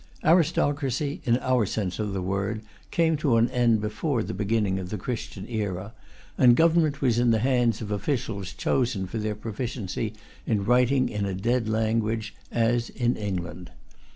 Aristocracy, in our sense of the word, came to an end before the beginning of the Christian era, and government was in the hands of officials chosen for their proficiency in writing in a dead language, as in England.